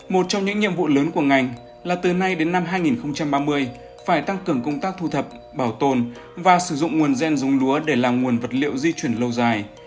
một trong những nhiệm vụ lớn của ngành là từ nay đến năm hai nghìn ba mươi phải tăng cường công tác thu thập bảo tồn và sử dụng nguồn gen dùng lúa để làm nguồn vật liệu di chuyển lâu dài